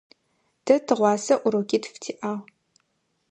Тэ тыгъуасэ урокитф тиӏагъ.